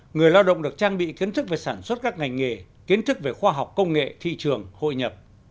người lao động được trang bị kiến thức về sản xuất các ngành nghề kiến thức về khoa học công nghệ thị trường hội nhập